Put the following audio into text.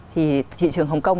thì thị trường hồng kông